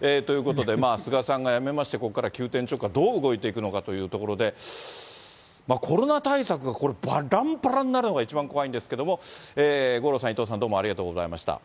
ということで、菅さんが辞めまして、ここから急転直下、どう動いていくのかというところで、コロナ対策がこれ、ばらんばらんになるのが一番怖いんですけども、五郎さん、伊藤さん、どうもありがとうございました。